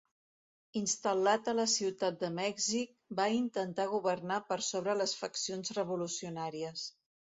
Instal·lat a la ciutat de Mèxic, va intentar governar per sobre les faccions revolucionàries.